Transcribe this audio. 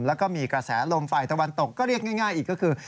แล้วก็มีกระแสลมฝ่ายตะวันตกก็เรียกง่ายอีกก็คือ